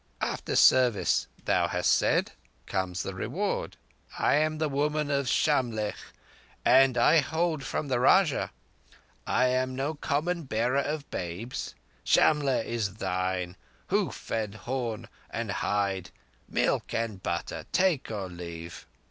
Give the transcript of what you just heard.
After service—thou hast said?—comes the reward. I am the Woman of Shamlegh, and I hold from the Rajah. I am no common bearer of babes. Shamlegh is thine: hoof and horn and hide, milk and butter. Take or leave."